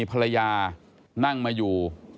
ภรรยานั่งมาอยู่